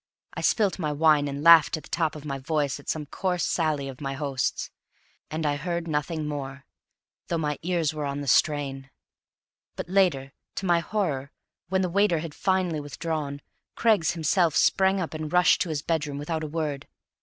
I spilt my wine and laughed at the top of my voice at some coarse sally of my host's. And I heard nothing more, though my ears were on the strain. But later, to my horror, when the waiter had finally withdrawn, Craggs himself sprang up and rushed to his bedroom without a word.